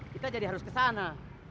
kita jadi harus kesana